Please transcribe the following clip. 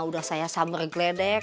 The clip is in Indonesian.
sudah saya sambar gledek